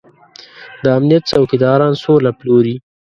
د امنيت څوکيداران سوله پلوري.